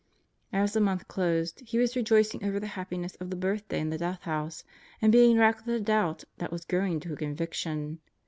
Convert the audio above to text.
As the month closed he was rejoicing over the happiness of the birthday in the Death House, and being racked with a doubt that was growing to a conviction.